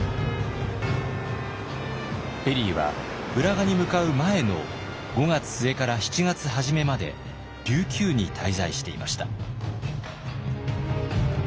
ペリーは浦賀に向かう前の５月末から７月初めまで琉球に滞在していました。